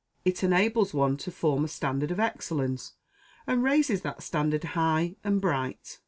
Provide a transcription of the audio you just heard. It enables one to form a standard of excellence, and raises that standard high and bright.